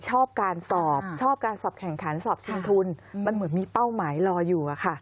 ชอบการสอบชอบการสอบแข่งขันสอบชิงทุนมันเหมือนมีเป้าหมายรออยู่อะค่ะ